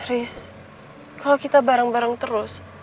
risk kalau kita bareng bareng terus